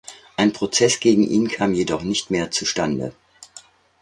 Ein Prozess gegen ihn kam jedoch nicht mehr zustande.